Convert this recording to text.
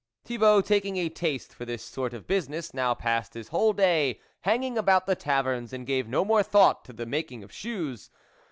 Thibault, taking a taste for this sort of business, now passed his whole day hang ing about the taverns, and gave no more thought to the making of shoes.